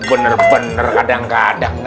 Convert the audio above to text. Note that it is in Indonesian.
bener bener kadang kadang